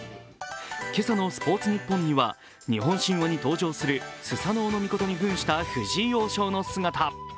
今朝の「スポーツニッポン」には日本神話に登場するスサノオノミコトの姿に扮した藤井王将の姿。